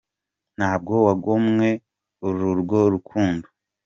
Ntabwo wangomwe urwo rukundo